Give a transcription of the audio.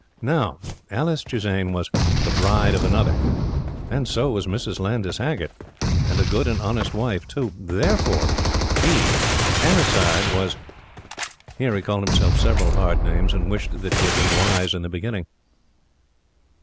NOW Alice Chisane was "the bride of another," and so was Mrs. Landys Haggert, and a good and honest wife too. THEREFORE, he, Hannasyde, was.... here he called himself several hard names, and wished that he had been wise in the beginning.